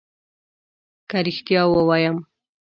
که ريښتيا ووايم